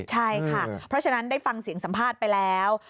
ใช่ค่ะเพราะฉะนั้นได้ฟังเสียงสัมภาษณ์ไปแล้ว